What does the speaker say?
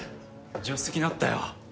助手席にあったよ。